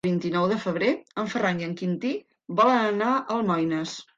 El vint-i-nou de febrer en Ferran i en Quintí volen anar a Almoines.